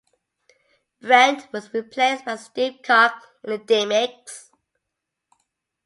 Brent was replaced by Steve Koch in the Demics.